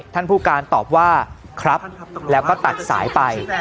ท่านผู้การตอบว่าครับแล้วก็ตัดสายไป